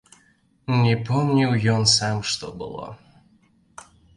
Не помніў ён сам, што было.